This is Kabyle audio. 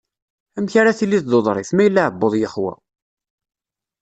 Amek ara tiliḍ d uḍrif, ma yella uεebbuḍ yexwa?